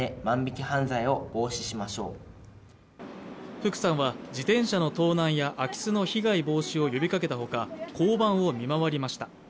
福さんは自転車の盗難や空き巣の被害防止を呼びかけたほか交番を見回りました。